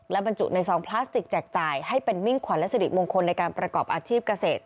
บรรจุในซองพลาสติกแจกจ่ายให้เป็นมิ่งขวัญและสิริมงคลในการประกอบอาชีพเกษตร